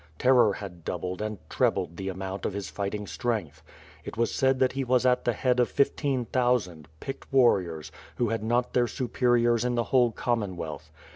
Ter ror had doubled and trebled the amount of his fighting strength. It was said that he was at the head of fifteen thousand, picked warriors, who had not their superiors in the whole Commomvealth.